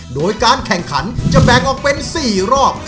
โดยการแข่งขันจะแบ่งออกเป็น๔รอบ